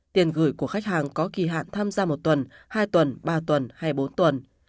tiền gửi của khách hàng có kỳ hạn tham gia một tuần hai tuần ba tuần hay bốn tuần